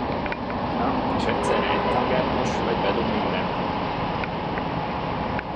Na, és egyszerre egy tangát mos, vagy bedob mindent?